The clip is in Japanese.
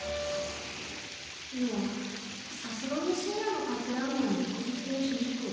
いやさすがに深夜のカップラーメンは翌日に響く。